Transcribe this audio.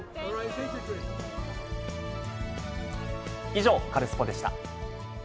以上、カルスポっ！でした。